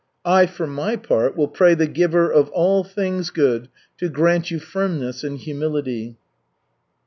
I, for my part, will pray the Giver of all things good to grant you firmness and humility.